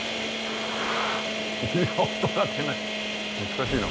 いや音が出ない。